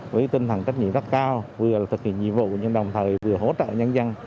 với tinh thần trách nhiệm rất cao vừa thực hiện nhiệm vụ nhưng đồng thời vừa hỗ trợ nhân dân